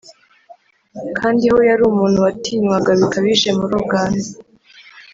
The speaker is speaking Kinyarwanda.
Kandiho yari umuntu watinywaga bikabije muri Uganda